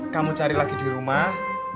kamu cari lagi di rumah